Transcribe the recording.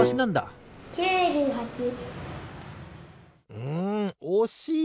うんおしい！